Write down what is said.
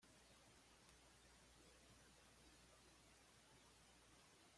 Por esta razón se denomina a veces como: "Mexicana".